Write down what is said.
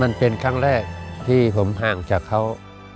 มันเป็นครั้งแรกที่ผมห่างจากเขา